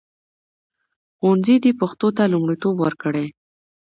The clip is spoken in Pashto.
ښوونځي دې پښتو ته لومړیتوب ورکړي.